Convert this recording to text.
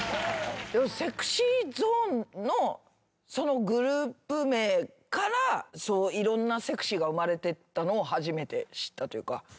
ＳｅｘｙＺｏｎｅのグループ名からいろんなセクシーが生まれてったのを初めて知ったというか。